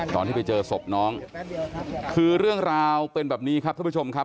ตอนที่ไปเจอศพน้องคือเรื่องราวเป็นแบบนี้ครับท่านผู้ชมครับ